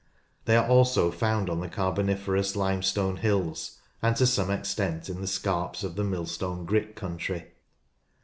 They are also found on the Carboniferous Limestone hills, and to some extent in the scarps of the Millstone Grit country.